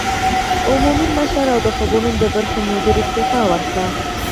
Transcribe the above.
عمومي مشر او د خبرونو د برخې مدیرې استعفی ورکړې